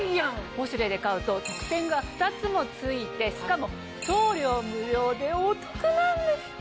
『ポシュレ』で買うと特典が２つも付いてしかも送料無料でお得なんですって。